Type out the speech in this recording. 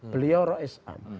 beliau roh islam